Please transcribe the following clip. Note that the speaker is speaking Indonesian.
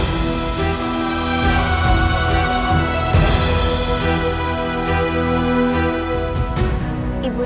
tetapi saya ibunda